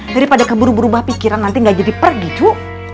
daripada keburu buru bah pikiran nanti ga jadi pergi cu